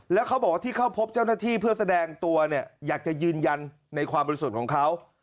แล้วเขาบอกว่าที่เข้าพบเจ้าหน้าที่เพื่อแสดงตัวเนี่ยอยากจะยืนยันในความบริสุทธิ์ของเขา